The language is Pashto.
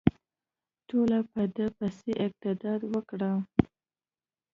ټولو په ده پسې اقتدا وکړه.